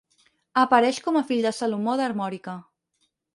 Apareix com a fill de Salomó d'Armòrica.